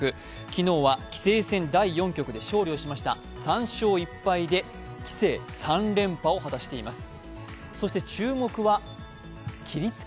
昨日は棋聖戦第４局で勝利しました３勝１敗で棋聖３連覇を果たしています。